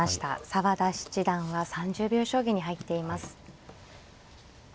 澤田七段は３０秒将棋に入っています。